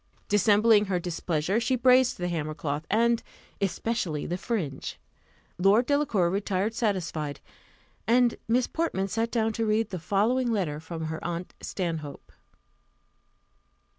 Dissembling her displeasure, she praised the hammer cloth, and especially the fringe. Lord Delacour retired satisfied; and Miss Portman sat down to read the following letter from her aunt Stanhope.